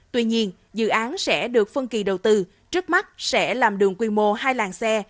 tuy nhiên dự án sẽ được phân kỳ đầu tư trước mắt sẽ làm đường quy mô hai làng xe